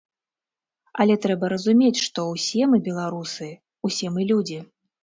Але трэба разумець, што ўсе мы беларусы, усе мы людзі.